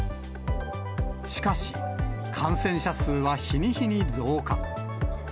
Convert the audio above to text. しかし、感染者数は日に日に増加。